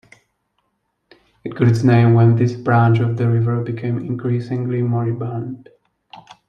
It got its name when this branch of the river became increasingly moribund.